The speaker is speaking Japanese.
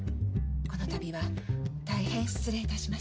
このたびは大変失礼いたしました。